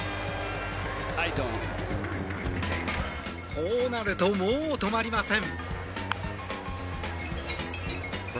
こうなるともう止まりません。